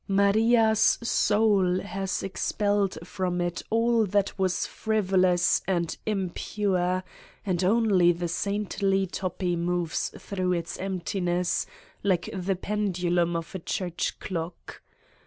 Maria's soul has expelled from it all that was frivolous and im pure and only the saintly Toppi moves through its emptiness, like the pendulum of a church clock.